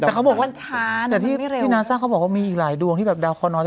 แต่เขาบอกว่ามันช้าแต่ที่นาซ่าเขาบอกว่ามีอีกหลายดวงที่แบบดาวคอน้อย